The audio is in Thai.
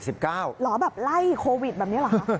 เหรอแบบไล่โควิดแบบนี้เหรอคะ